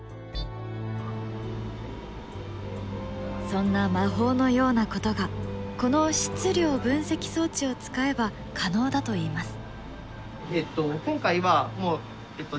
そんな魔法のようなことがこの質量分析装置を使えば可能だといいます。